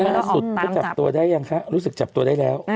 ล่าสุดเขาจับตัวได้ยังคะรู้สึกจับตัวได้แล้ว